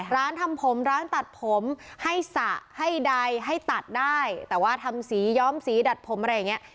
ทำผมร้านตัดผมให้สระให้ใดให้ตัดได้แต่ว่าทำสีย้อมสีดัดผมอะไรอย่างเงี้ย